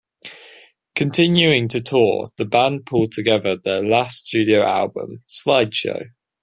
Continuing to tour, the band pulled together their last studio album, "Slide Show".